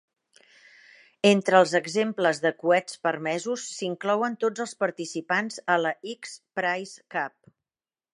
Entre els exemples de coets permesos s'inclouen tots els participants a la X Prize Cup.